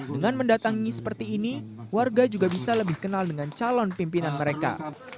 dengan mendatangi seperti ini warga juga bisa lebih kenal dengan calon pimpinan mereka